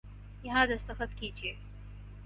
یہاں دستخط کیجئے